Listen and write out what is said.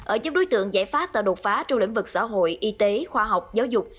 ở trong đối tượng giải pháp tạo đột phá trong lĩnh vực xã hội y tế khoa học giáo dục